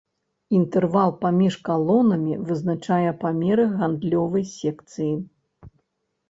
Інтэрвал паміж калонамі вызначае памеры гандлёвай секцыі.